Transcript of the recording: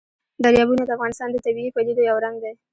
دریابونه د افغانستان د طبیعي پدیدو یو رنګ دی.